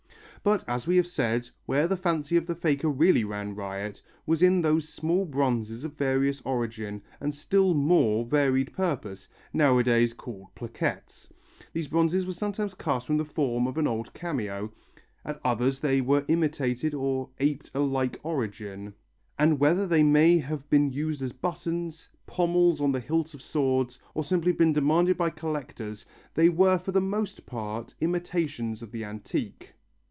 But, as we have said, where the fancy of the faker really ran riot was in those small bronzes of various origin and still more various purpose, nowadays called plaquettes. These bronzes were sometimes cast from the form of an old cameo, at others they imitated or aped a like origin, and whether they may have been used as buttons, pommels of the hilts of swords, or simply been demanded by collectors, they were for the most part imitations of the antique.